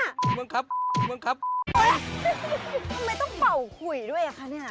ทำไมต้องเป่าขุยด้วยค่ะนี่